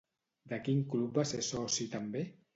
De quin club va ser soci també?